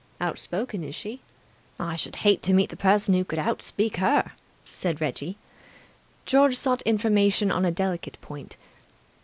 "Outspoken, is she?" "I should hate to meet the person who could out speak her," said Reggie. George sought information on a delicate point.